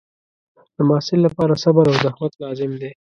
د محصل لپاره صبر او زحمت لازم دی.